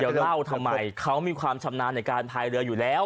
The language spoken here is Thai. เดี๋ยวเล่าทำไมเขามีความชำนาญในการพายเรืออยู่แล้ว